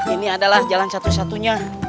ini adalah jalan satu satunya